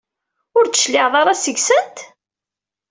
Ur d-tecliɛeḍ ara seg-sent?